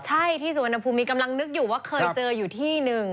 ใช่ที่สุวรรณภูมิมีกำลังนึกอยู่ว่าเคยเจออยู่ที่หนึ่ง